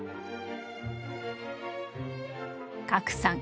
加来さん